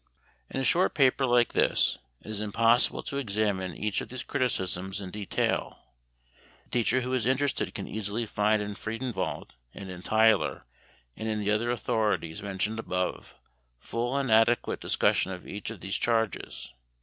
In a short paper like this it is impossible to examine each of these criticisms in detail. The teacher who is interested can easily find in Friedenwald and in Tyler and in the other authorities mentioned above full and adequate discussion of each of these charges.